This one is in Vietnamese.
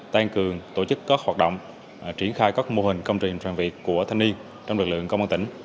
tăng cường tổ chức các hoạt động triển khai các mô hình công trình trang việc của thanh niên trong lực lượng công an tỉnh